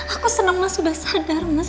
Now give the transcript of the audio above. aku seneng mas udah sadar mas